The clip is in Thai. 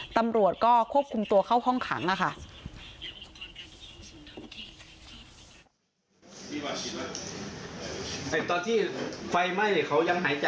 ตำรวจก็ควบคุมตัวเข้าห้องขังค่ะ